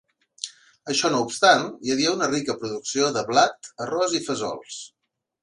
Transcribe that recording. Això no obstant, hi havia una rica producció de blat, arròs i fesols.